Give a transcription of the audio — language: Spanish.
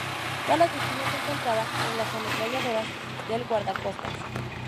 Todas las víctimas se encontraban en las ametralladoras del guardacostas.